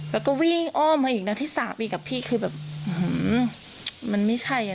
แล้วก็วิ่งอ้อมมาอีกนัดที่สามอีกกับพี่คือแบบมันไม่ใช่อ่ะ